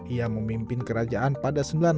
ia memimpin kerajaan pada seribu sembilan ratus dua